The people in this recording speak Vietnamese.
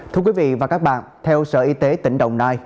thưa quý vị và các bạn theo sở y tế tỉnh đồng nai